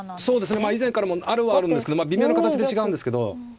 以前からもあるはあるんですけど微妙な形で違うんですけど。